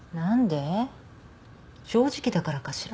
正直だからかしら。